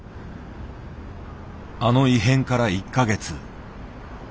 あの異変から１か月。